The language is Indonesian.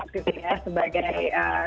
seorang yang berharap messi akan menang